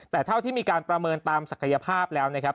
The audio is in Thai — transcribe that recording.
แต่เท่าที่มีการประเมินตามศักยภาพแล้วนะครับ